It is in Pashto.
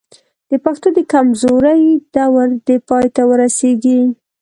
د پښتو د کمزورۍ دور دې پای ته ورسېږي.